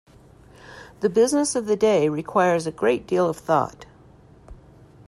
The business of the day requires a great deal of thought.